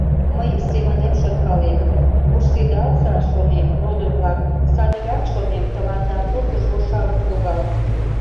Мый семынем шонкалем: вурседалза, шонем, родо-влак, садыгак, шонем, тыланда Пургыж роша ок логал.